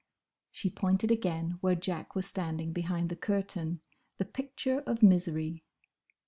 She pointed again where Jack was standing behind the curtain, the picture of misery.